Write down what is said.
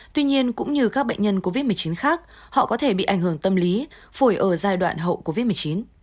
tuy nhiên cũng như các bệnh nhân covid một mươi chín khác họ có thể bị ảnh hưởng tâm lý phổi ở giai đoạn hậu covid một mươi chín